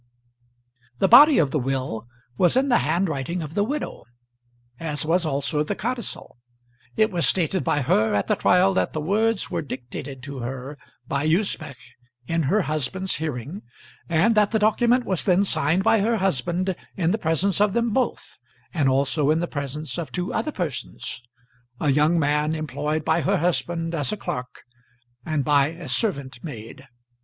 The body of the will was in the handwriting of the widow, as was also the codicil. It was stated by her at the trial that the words were dictated to her by Usbech in her husband's hearing, and that the document was then signed by her husband in the presence of them both, and also in the presence of two other persons a young man employed by her husband as a clerk, and by a servant maid.